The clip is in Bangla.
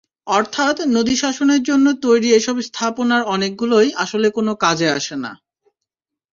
অর্থাৎ নদীশাসনের জন্য তৈরি এসব স্থাপনার অনেকগুলোই আসলে কোনো কাজে আসে না।